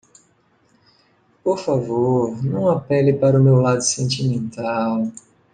Por favor, não apele para o meu lado sentimental.